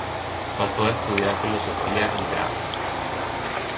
Pasó a estudiar filosofía en Graz.